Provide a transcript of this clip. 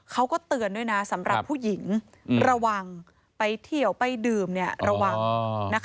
เขาก็เตือนด้วยนะสำหรับผู้หญิงระวังไปเที่ยวไปดื่มระวัง